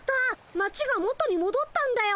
町が元にもどったんだよ。